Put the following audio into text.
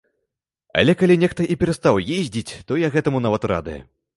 А калі нехта і перастаў ездзіць, то я гэтаму нават рады.